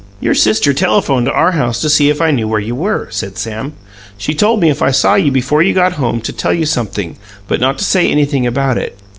"Your sister telephoned to our house to see if I knew where you were," said Sam. "She told me if I saw you before you got home to tell you sumpthing; but not to say anything about it.